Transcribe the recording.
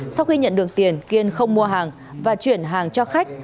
sau khi nhận được tiền kiên không mua hàng và chuyển hàng cho khách